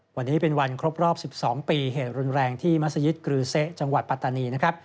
วันนี้เป็นวันครบรอบ๑๒ปีเหตุรุนแรงที่มัศยิตกรือเสะจังหวัดปัตตานีนะครับ